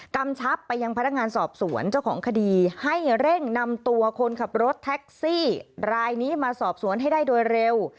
กำชับไปยังพนักงานสอบสวนเจ้าของคดีให้เร่งนำตัวคนขับรถแท็กซี่รายนี้มาสอบสวนให้ได้โดยเร็ว